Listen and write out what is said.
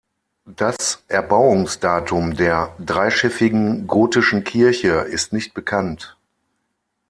Das Erbauungsdatum der dreischiffigen gotischen Kirche ist nicht bekannt.